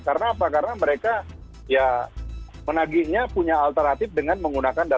karena apa karena mereka ya menagihnya punya alternatif dengan menggunakan fintech